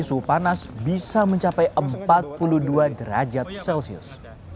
suhu panas bisa mencapai empat puluh dua derajat celcius